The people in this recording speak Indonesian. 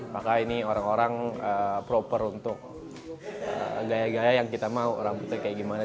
maka ini orang orang proper untuk gaya gaya yang kita mau orang putih kayak gimana